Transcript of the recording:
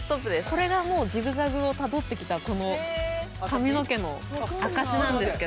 これがもうジグザグをたどってきた髪の毛の証しなんですけど。